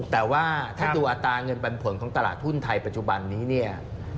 แต่ว่าถ้าดูอัตราเงินปันผลของตลาดหุ้นไทยปัจจุบันนี้เนี่ย